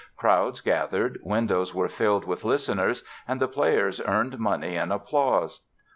Crowds gathered, windows were filled with listeners and the players earned money and applause.